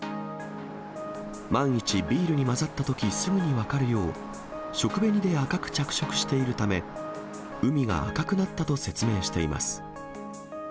万一、ビールにまざったときすぐに分かるよう、食紅で赤く着色しているため、海が赤くなったと説明しています。